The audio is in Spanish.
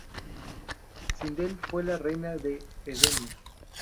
Sindel fue la reina de Edenia.